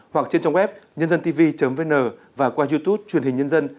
hoặc trên trang web nhândântv vn và qua youtube truyền hình nhân dân